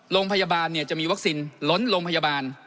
โรงพยาบาลจะมีวัคซีนล้นโรงพยาบาล